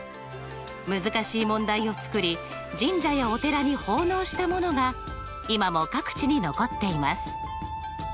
難しい問題を作り神社やお寺に奉納したものが今も各地に残っています。